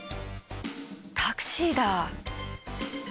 タクシーだ！